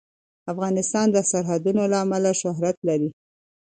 افغانستان د سرحدونه له امله شهرت لري.